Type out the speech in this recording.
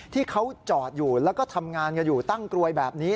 ที่เขาจอดอยู่แล้วก็ทำงานกันอยู่ตั้งกลวยแบบนี้